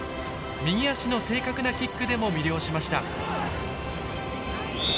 右足の正確なキックでも魅了しました。